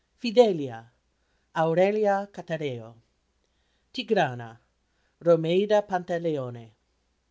Fidelia AURELIA CATAREO. Tigrana ROMEIDA PANTALEONE.